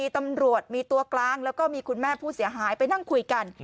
ตำรวจมีตัวกลางแล้วก็มีคุณแม่ผู้เสียหายไปนั่งคุยกัน